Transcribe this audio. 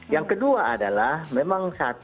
yang kedua adalah memang saat ini